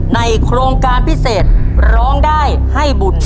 โครงการพิเศษร้องได้ให้บุญ